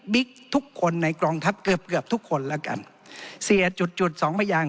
ทุกคนในกองทัพเกือบเกือบทุกคนแล้วกันเสียจุดจุดสองพยาง